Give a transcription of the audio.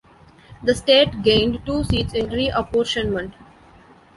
The state gained two seats in reapportionment.